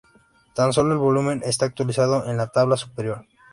Tan solo el volumen está actualizado en la tabla superior.